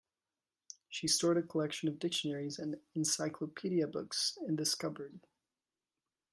She stored a collection of dictionaries and encyclopedia books in this cupboard.